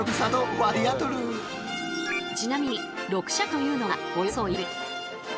ちなみに６尺というのはおよそ１．８ｍ。